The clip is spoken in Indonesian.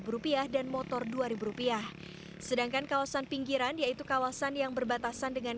rupiah dan motor dua ribu rupiah sedangkan kawasan pinggiran yaitu kawasan yang berbatasan dengan